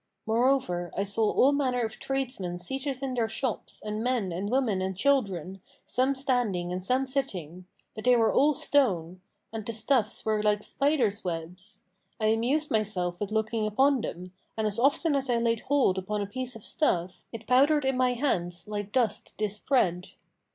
Moreover, I saw all manner of tradesmen seated in their shops and men and women and children, some standing and some sitting; but they were all stone; and the stuffs were like spiders' webs. I amused myself with looking upon them, and as often as I laid hold upon a piece of stuff, it powdered in my hands like dust dispread.